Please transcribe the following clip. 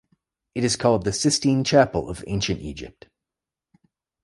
It is called the Sistine Chapel of Ancient Egypt.